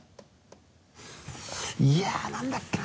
いやっ何だっけな？